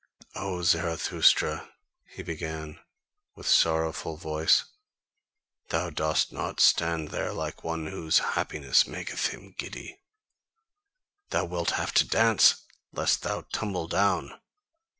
"O Zarathustra," he began, with sorrowful voice, "thou dost not stand there like one whose happiness maketh him giddy: thou wilt have to dance lest thou tumble down!